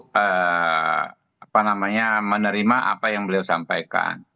untuk apa namanya menerima apa yang beliau sampaikan